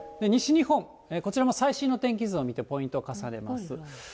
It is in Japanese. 西日本、こちらも最新の天気図を見てポイント重ねます。